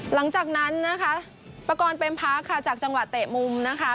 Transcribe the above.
หลังจากนั้นนะคะประกอบเป็นพักค่ะจากจังหวะเตะมุมนะคะ